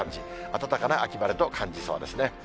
暖かな秋晴れと感じそうですね。